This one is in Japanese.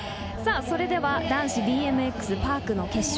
それでは男子ＢＭＸパークの決勝。